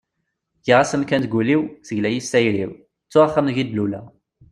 giɣ-as amkan deg ul-iw, tegla-yi s tayri-w, ttuɣ axxam deg i d-luleɣ